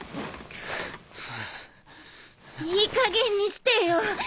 いいかげんにしてよ。